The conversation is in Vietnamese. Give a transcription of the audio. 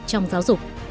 trong giáo dục